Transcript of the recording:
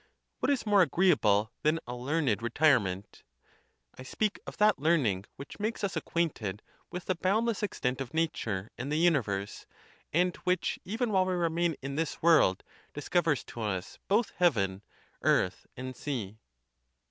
What is more agreeable than a learned retirement? I speak of that learning which makes us acquainted with the boundless extent of nature and the universe, and which even while we remain in this world discovers to us both heaven, earth, and sea.